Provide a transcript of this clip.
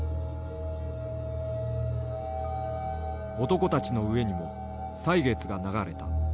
男たちの上にも歳月が流れた。